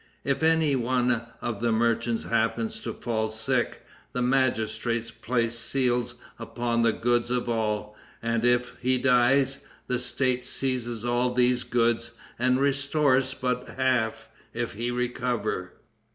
If any one of the merchants happens to fall sick, the magistrates place seals upon the goods of all, and, if he dies, the State seizes all these goods, and restores but half if he recover.